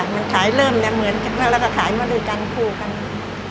ใช่ขายเริ่มเนี่ยเหมือนกันแล้วก็ขายมาด้วยกันคู่ครับ